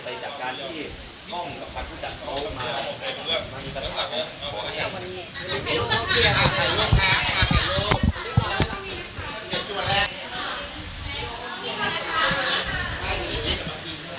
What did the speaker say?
ไปจากการที่ที่คล่องกล้องคันผู้จัดเขาไม่มีปัญหา